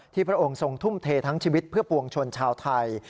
พระองค์ทรงทุ่มเททั้งชีวิตเพื่อปวงชนชาวไทย